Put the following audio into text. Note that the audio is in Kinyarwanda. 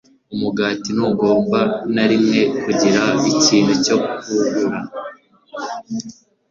Umugati ntugomba na rimwe kugira ikintu cyo kurura